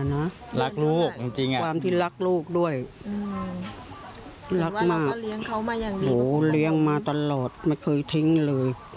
รักลูกจริงความที่รักลูกด้วยรักมากเรียงมาตลอดไม่เคยทิ้งเลย